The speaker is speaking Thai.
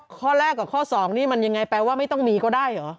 ข้อแรกกับข้อ๒นี่มันยังไงแปลว่าไม่ต้องมีก็ได้เหรอ